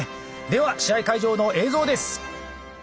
では試合会場の映像です！